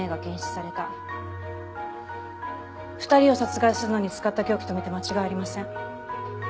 ２人を殺害するのに使った凶器とみて間違いありません。